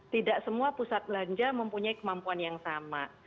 tidak semua pusat belanja mempunyai kemampuan yang sama